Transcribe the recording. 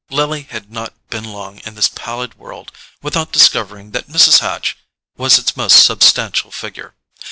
Lily had not been long in this pallid world without discovering that Mrs. Hatch was its most substantial figure.